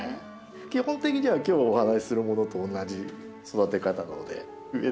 基本的には今日お話しするものと同じ育て方なので植えてみてください。